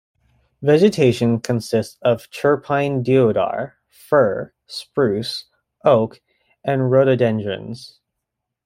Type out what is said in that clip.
Vegetation consist of chirpine deodar, fir, spruce, oak and rhododendrons.